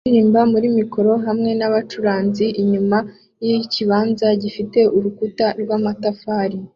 aririmba muri mikoro hamwe nabacuranzi inyuma yikibanza gifite urukuta rwamatafari